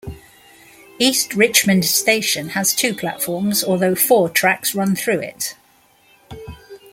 East Richmond station has two platforms, although four tracks run through it.